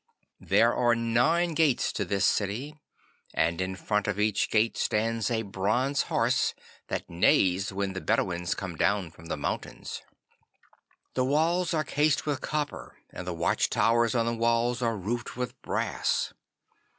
'There are nine gates to this city, and in front of each gate stands a bronze horse that neighs when the Bedouins come down from the mountains. The walls are cased with copper, and the watch towers on the walls are roofed with brass.